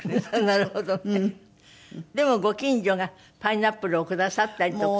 でもご近所がパイナップルをくださったりとか。